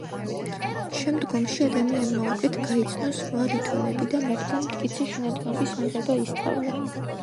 შემდგომში ადამიანმა უკეთ გაიცნო სხვა ლითონები და მათგან მტკიცე შენადნობის მიღება ისწავლა